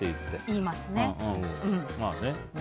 言いますね。